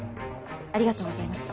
ありがとうございます。